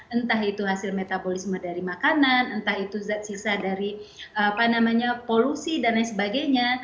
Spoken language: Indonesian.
entah itu hasil metabolisme dari makanan entah itu zat sisa dari polusi dan lain sebagainya